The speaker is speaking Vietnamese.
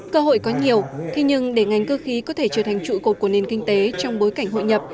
cơ hội có nhiều thế nhưng để ngành cơ khí có thể trở thành trụ cột của nền kinh tế trong bối cảnh hội nhập